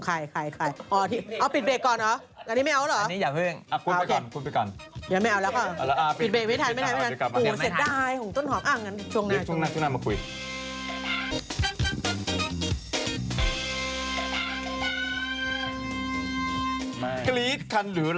ใครเอ้าปิดเบคก่อนเหรอ